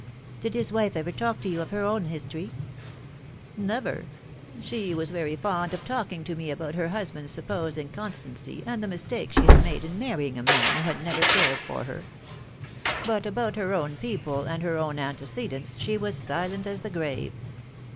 " Did his wife ever talk to you of her own history ?"" Never. She was very fond of talking to me about her husband's supposed inconstancy and the mistake she had made in marrying a man who had never cared for her ; but about her own people and her own antecedents she was silent as the grave.